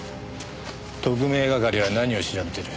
特命係は何を調べてる？